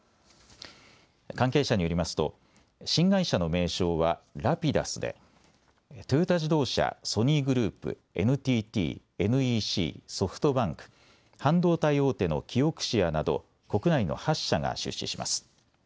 関係者によりますと新会社の名称はＲａｐｉｄｕｓでトヨタ自動車、ソニーグループ、ＮＴＴ、ＮＥＣ、ソフトバンク、半導体大手のキオクシアなど国内の８社が出資します。